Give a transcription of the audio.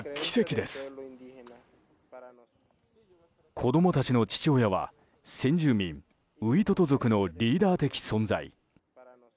子供たちの父親は先住民ウイトト族のリーダー的存在。